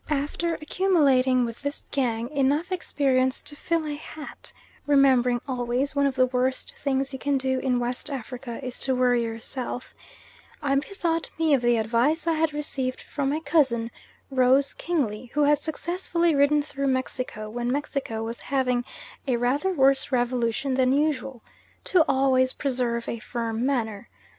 After accumulating with this gang enough experience to fill a hat (remembering always "one of the worst things you can do in West Africa is to worry yourself") I bethought me of the advice I had received from my cousin Rose Kingsley, who had successfully ridden through Mexico when Mexico was having a rather worse revolution than usual, "to always preserve a firm manner."